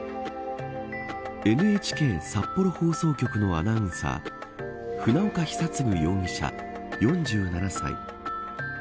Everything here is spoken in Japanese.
ＮＨＫ札幌放送局のアナウンサー船岡久嗣容疑者、４７歳。